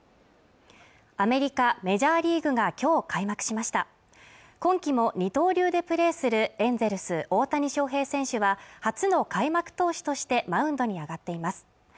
アメリカメジャーリーグが今日開幕しました今季も二刀流でプレーするエンゼルス大谷翔平選手は初の開幕投手としてマウンドに上がっています